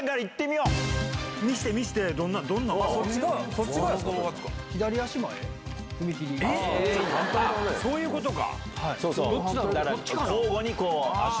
そういうことか。